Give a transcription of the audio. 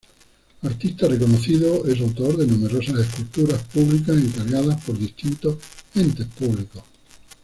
Artista reconocido, es autor de numerosas esculturas públicas, encargadas por distintos entes públicos.